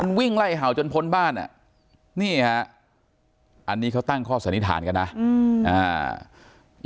มันวิ่งไล่เห่าจนพ้นบ้านอ่ะนี่ฮะอันนี้เขาตั้งข้อสันนิษฐานกันนะอืมอ่า